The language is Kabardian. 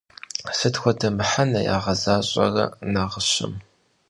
Sıt xuede mıhene yiğezaş'ere nağışem?